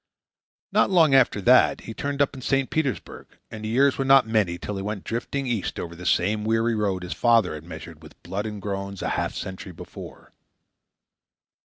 Not long after that he turned up in St. Petersburg, and the years were not many till he went drifting east over the same weary road his father had measured with blood and groans a half century before.